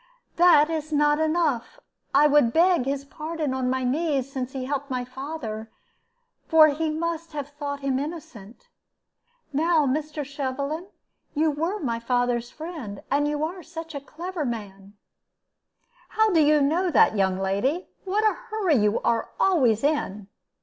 "That is not enough. I would beg his pardon on my knees, since he helped my father, for he must have thought him innocent. Now, Mr. Shovelin, you were my father's friend, and you are such a clever man " "How do you know that, young lady? What a hurry you are always in!"